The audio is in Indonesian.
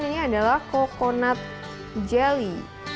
ini adalah coconut jelly